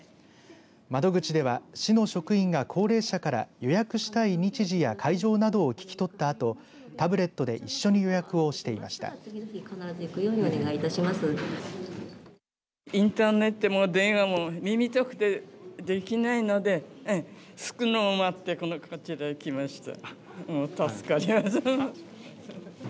窓口では市の職員が高齢者から予約したい日時や会場などを聞き取ったあとタブレットで一緒に予約をしていました。